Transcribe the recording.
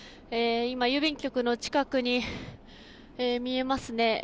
郵便局の近くに見えますね。